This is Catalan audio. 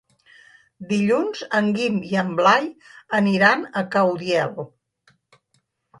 Dilluns en Guim i en Blai aniran a Caudiel.